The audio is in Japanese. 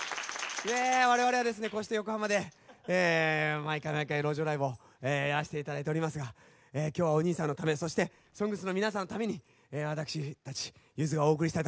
我々はですねこうして横浜で毎回毎回路上ライブをやらせて頂いておりますが今日はおにいさんのためそして「ＳＯＮＧＳ」の皆さんのために私たちゆずがお送りしたいと思っております。